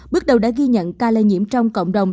bước đầu đã ghi nhận ca lây nhiễm trong cộng đồng